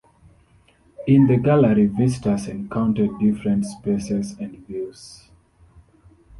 In the gallery, visitors encounter different spaces and views.